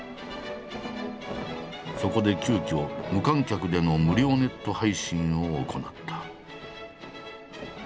そこで急きょ無観客での無料ネット配信を行った。